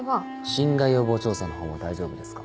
侵害予防調査の方は大丈夫ですか？